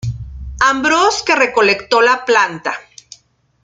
Ambrose que recolectó la planta.